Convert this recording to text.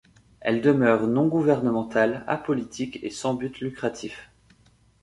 Elle demeure non gouvernementale, apolitique et sans but lucratif.